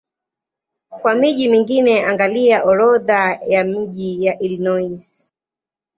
Kwa miji mingine angalia Orodha ya miji ya Illinois.